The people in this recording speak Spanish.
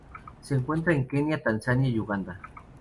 Se encuentra en Kenia Tanzania y Uganda.